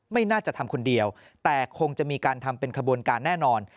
ไม่น่าจะทำคนเดียวแต่คงจะมีการทำเป็นขบวนการแน่นอน